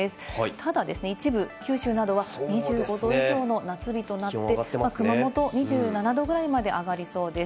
ただ一部、九州などは２５度以上の夏日となって、熊本は２７度ぐらいまで上がりそうです。